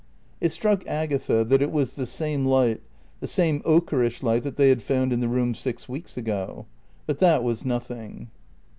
It struck Agatha that it was the same light, the same ochreish light that they had found in the room six weeks ago. But that was nothing.